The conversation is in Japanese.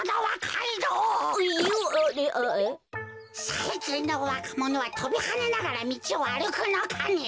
さいきんのわかものはとびはねながらみちをあるくのかね？